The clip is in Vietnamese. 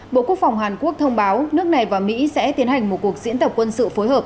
bộ quốc phòng hàn quốc thông báo nước này và mỹ sẽ tiến hành một cuộc diễn tập quân sự phối hợp